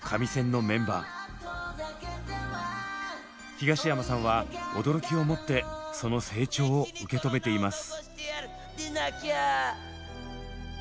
東山さんは驚きをもってその成長を受け止めています。